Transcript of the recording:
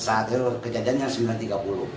saat itu kejadian yang sembilan tiga puluh